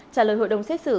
trả lời hội đồng xét xử